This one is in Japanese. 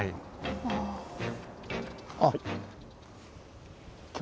あっ。